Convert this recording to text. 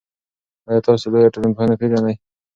آیا تاسو لویه ټولنپوهنه پېژنئ؟